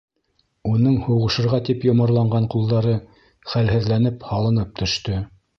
Уның һуғышырға тип йомарланған ҡулдары хәлһеҙләнеп һалынып төштө.